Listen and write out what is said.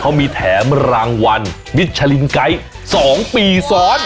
เขามีแถมรางวัลมิชลินไกด์๒ปีซ้อน